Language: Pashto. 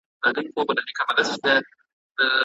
فساد کوونکی باید له منځه لاړ سي.